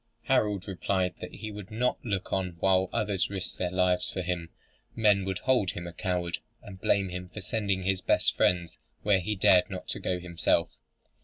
Harold replied that he would not look on while others risked their lives for him. Men would hold him a coward, and blame him for sending his best friends where he dared not go himself.